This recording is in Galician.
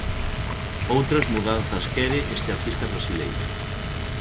Outras mudanzas quere este artista brasileiro.